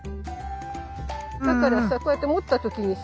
だからさこうやって持った時にさ